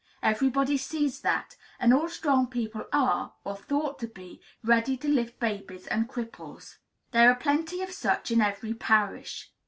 Everybody sees that; and all strong people are, or ought to be, ready to lift babies and cripples. There are plenty of such in every parish.